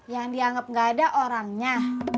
yang dianggap nggak ada orangnya